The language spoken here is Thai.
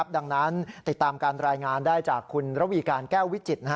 ดังนั้นติดตามการรายงานได้จากคุณระวีการแก้ววิจิตร